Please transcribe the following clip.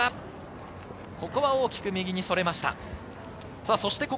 ここは大きく右にそれました。